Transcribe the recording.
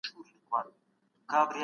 خپل ځان په پوره ډول وپیژنه.